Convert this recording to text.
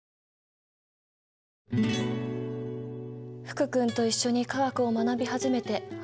福君と一緒に化学を学び始めてはや半年。